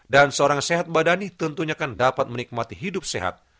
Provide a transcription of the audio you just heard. dan seorang sehat badani tentunya kan dapat menikmati hidup sehat